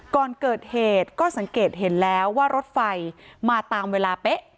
ก่อนเกิดเหตุก็สังเกตเห็นแล้วว่ารถไฟมาตามเวลาเป๊ะ